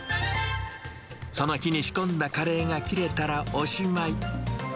その日に仕込んだカレーが切れたらおしまい。